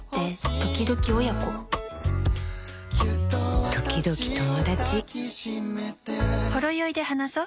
ときどき親子ときどき友達「ほろよい」で話そ。